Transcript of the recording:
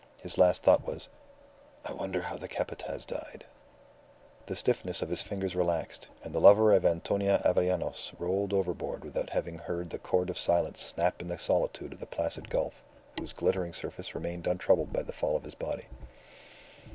His last thought was: "I wonder how that Capataz died." The stiffness of the fingers relaxed, and the lover of Antonia Avellanos rolled overboard without having heard the cord of silence snap in the solitude of the Placid Gulf, whose glittering surface remained untroubled by the fall of his body.